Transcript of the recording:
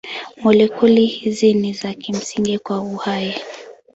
Molekuli hizi ni za kimsingi kwa uhai.